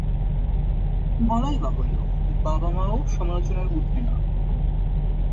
বলাই বাহুল্য, বাবা-মাও সমালোচনার উর্ধ্বে না।